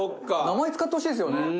名前使ってほしいですよね。